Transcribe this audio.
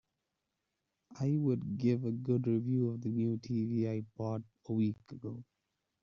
I would give a good review of the new TV I bought a week ago.